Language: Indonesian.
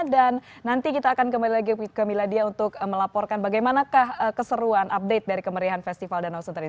dan nanti kita akan kembali lagi ke mila dya untuk melaporkan bagaimana keseruan update dari kemeriahan festival danau sentari